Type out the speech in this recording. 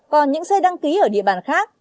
còn những xe đăng ký ở địa bàn khác